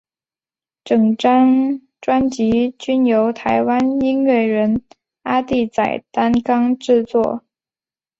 整张专辑均由台湾音乐人阿弟仔担纲制作。